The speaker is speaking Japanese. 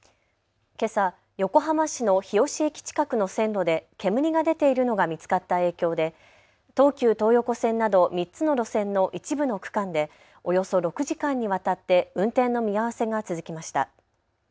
けさ横浜市の日吉駅近くの線路で煙が出ているのが見つかった影響で東急東横線など３つの路線の一部の区間でおよそ６時間にわたって運転の見合わせが続きました。